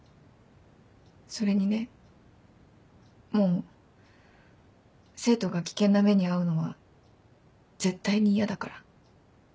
それにねもう生徒が危険な目に遭うのは絶対に嫌だから。